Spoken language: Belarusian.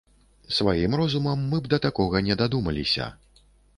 Сваім розумам мы б да такога не дадумаліся.